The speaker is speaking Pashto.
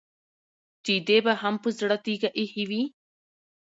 چې دې به هم په زړه تيږه اېښې وي.